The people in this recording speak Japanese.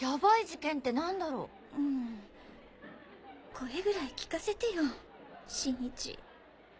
声ぐらい聞かせてよ新一